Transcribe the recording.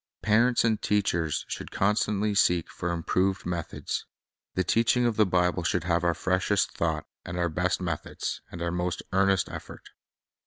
Parents and teachers Lessons should constantly seek for improved methods. The teaching of the Bible should have our freshest thought, our best methods, and our most earnest effort.